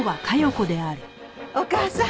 お義母さん